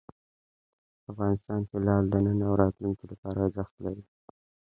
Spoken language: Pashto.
افغانستان کې لعل د نن او راتلونکي لپاره ارزښت لري.